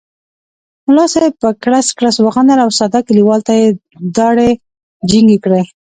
ملا صاحب په کړس کړس وخندل او ساده کلیوال ته یې داړې جینګې کړې.